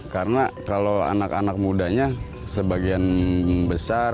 karena kalau anak anak mudanya sebagian besar